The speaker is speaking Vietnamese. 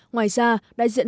ngoài ra đại diện